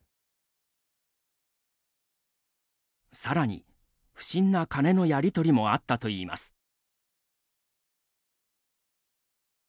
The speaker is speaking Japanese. さらに不審な金のやりとりもあったといいます。